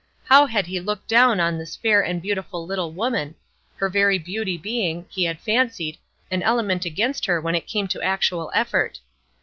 How had he looked down on this fair and beautiful little woman, her very beauty being, he had fancied, an element against her when it came to actual effort.